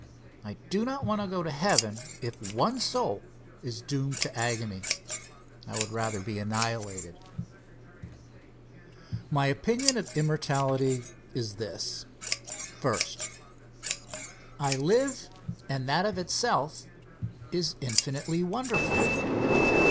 I do not want to go to heaven if one soul is doomed to agony. I would rather be annihilated. My opinion of immortality is this: First. I live, and that of itself is infinitely wonderful.